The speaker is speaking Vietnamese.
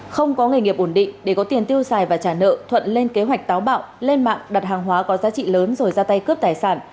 không có nghề nghiệp ổn định để có tiền tiêu xài và trả nợ thuận lên kế hoạch táo bạo lên mạng đặt hàng hóa có giá trị lớn rồi ra tay cướp tài sản